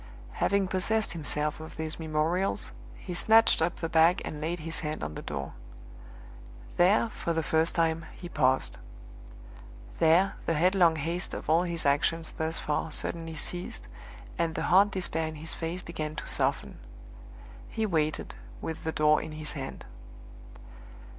Having possessed himself of these memorials, he snatched up the bag and laid his hand on the door. There, for the first time, he paused. There, the headlong haste of all his actions thus far suddenly ceased, and the hard despair in his face began to soften: he waited, with the door in his hand.